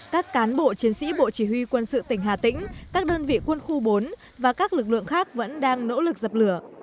các cán bộ chiến sĩ bộ chỉ huy quân sự tỉnh hà tĩnh các đơn vị quân khu bốn và các lực lượng khác vẫn đang nỗ lực dập lửa